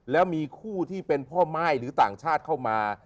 แล้วมีคู่ที่เป็นพ่อม่ายหรือต่างชาติเข้ามา